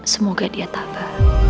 semoga dia takba